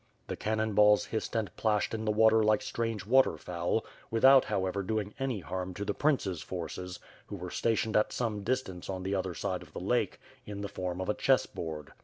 The cannon balls hissed and plashed in the water like strange water fowl, without however doing any harm to the princess forces who were stationed at some distance on the other side of the lake, in the form of a chess board.